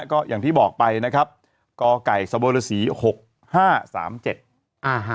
ก็อย่างที่บอกไปนะครับกไก่สบรสีหกห้าสามเจ็ดอ่าฮะ